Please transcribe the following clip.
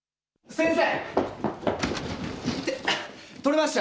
・先生。